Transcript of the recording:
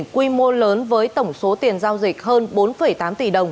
quy mô lớn với tổng số tiền giao dịch hơn bốn tám tỷ đồng